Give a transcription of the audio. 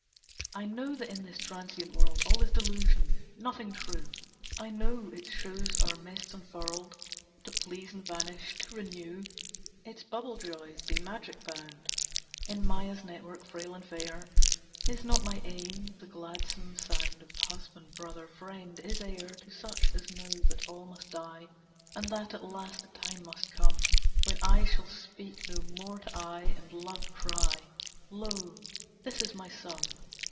"I know that in this transient world All is delusion, nothing true; I know its shows are mists unfurled To please and vanish. To renew Its bubble joys, be magic bound In Maya's network frail and fair, Is not my aim! The gladsome sound Of husband, brother, friend, is air To such as know that all must die, And that at last the time must come, When eye shall speak no more to eye And Love cry, Lo, this is my sum.